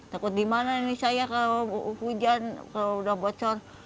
takut di mana ini saya kalau hujan kalau udah bocor